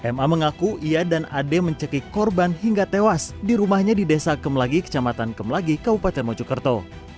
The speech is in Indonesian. ma mengaku ia dan ad mencekik korban hingga tewas di rumahnya di desa kem lagi kecamatan kem lagi kabupaten mojokerto